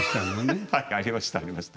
ハハッはいありましたありました。